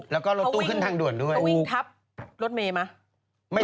แล้วก็รถตู้ขึ้นทางด่วนด้วยทับรถเมย์ไหม